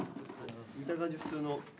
見た感じ普通の。